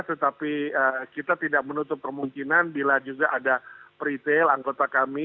tetapi kita tidak menutup kemungkinan bila juga ada retail anggota kami